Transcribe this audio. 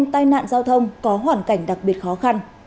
tai nạn giao thông có hoàn cảnh đặc biệt khó khăn